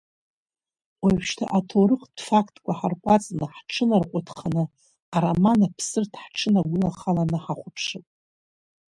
Уажәшьҭа аҭоурыхтә фактқәа ҳарҟәаҵны, ҳҽынарҟәыҭханы ароман Аԥсырҭ ҳҽынагәылахаланы ҳахәаԥшып.